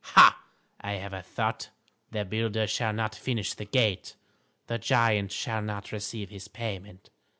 Ha! I have a thought! The builder shall not finish the gate; the giant shall not receive his payment.